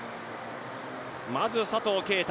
まず佐藤圭汰。